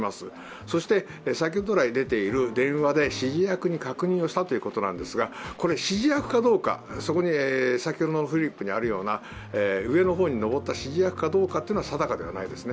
そして、電話で指示役に確認をしたということなんですがこれ、指示役かどうか、先ほどのフリップにあるような上の方に上った指示役かどうかは定かではないですね。